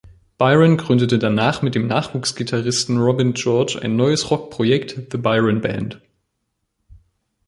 Byron gründete danach mit dem Nachwuchs-Gitarristen Robin George ein neues Rock-Projekt, "The Byron Band".